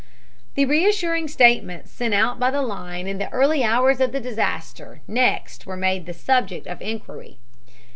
The reassuring statements sent out by the line in the early hours of the disaster next were made the subject of inquiry.